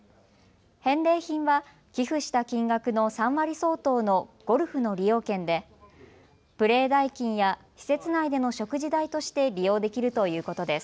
返礼品は寄付した金額の３割相当のゴルフの利用券でプレー代金や施設内での食事代として利用できるということです。